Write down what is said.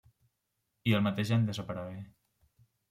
I al mateix any desaparegué.